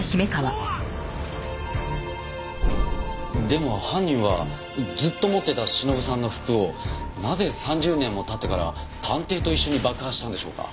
でも犯人はずっと持ってた忍さんの服をなぜ３０年も経ってから探偵と一緒に爆破したんでしょうか。